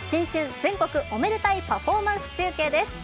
全国おめでたいパフォーマンス中継です。